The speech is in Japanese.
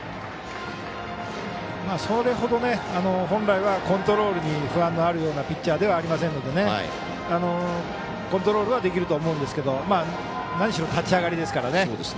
それほど本来はコントロールに不安のあるようなピッチャーではありませんのでコントロールはできると思うんですけど何しろ立ち上がりですからね。